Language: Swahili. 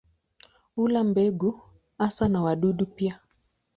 Hula mbegu hasa na wadudu pia.